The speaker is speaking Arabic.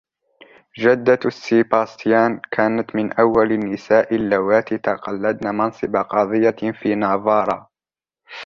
جدة سيباستيان كانت من أول النساء اللواتي تقلدن منصب قاضية في نافارا.